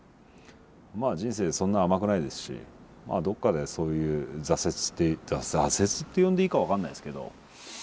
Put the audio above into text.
まあ人生そんな甘くないですしどっかでそういう挫折挫折って呼んでいいか分かんないですけど。